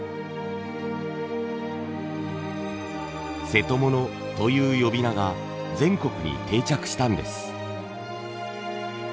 「瀬戸物」という呼び名が全国に定着したんです。